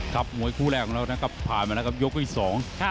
ครับมวยคู่แรกของเขานะครับผ่านกันแล้วกับยกอีกสอง